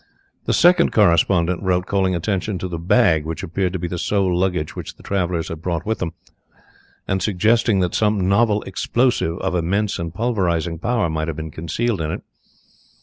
The second correspondent wrote calling attention to the bag which appeared to be the sole luggage which the travellers had brought with them, and suggesting that some novel explosive of immense and pulverizing power might have been concealed in it.